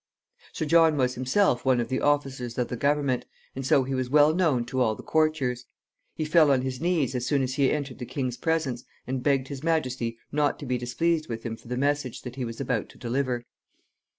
Sir John was himself one of the officers of the government, and so he was well known to all the courtiers. He fell on his knees as soon as he entered the king's presence, and begged his majesty not to be displeased with him for the message that he was about to deliver.